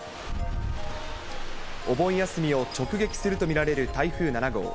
お盆休みを直撃すると見られる台風７号。